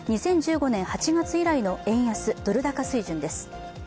２０１５年８月以来の円安・ドル高水準です。